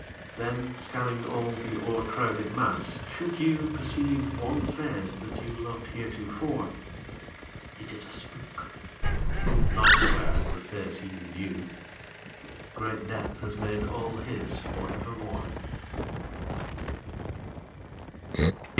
Then, scanning all the o'ercrowded mass, should you Perceive one face that you loved heretofore, It is a spook. None wears the face you knew. Great death has made all his for evermore.